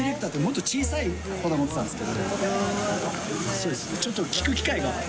そうですね